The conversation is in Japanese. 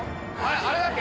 あれだっけ？